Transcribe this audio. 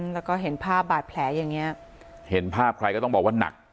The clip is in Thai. แล้วก็เห็นภาพบาดแผลอย่างเงี้ยเห็นภาพใครก็ต้องบอกว่าหนัก